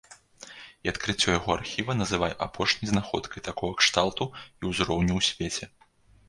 А адкрыццё яго архіва называе апошняй знаходкай такога кшталту і ўзроўню ў свеце.